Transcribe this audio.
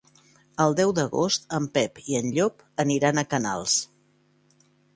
El deu d'agost en Pep i en Llop aniran a Canals.